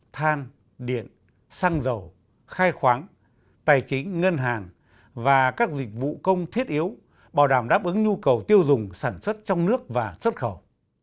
than điện xăng dầu khai khoáng tài chính ngân hàng và các dịch vụ công thiết yếu bảo đảm đáp ứng nhu cầu tiêu dùng sản xuất trong nước và xuất khẩu